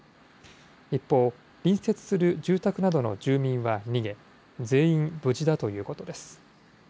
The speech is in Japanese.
一方、隣接する住宅などの住民は逃げ、全員無事だということです。